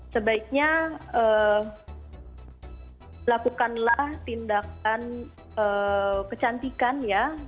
sebaiknya lakukanlah tindakan kecantikan ya